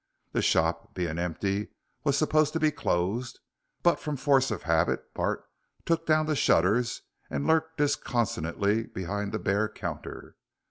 The shop, being empty, was supposed to be closed, but from force of habit Bart took down the shutters and lurked disconsolately behind the bare counter.